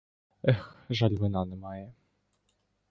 Ех, жаль, вина немає!